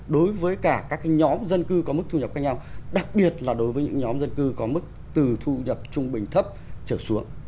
đặc biệt là đối với những nhóm dân cư có mức từ thu nhập trung bình thấp trở xuống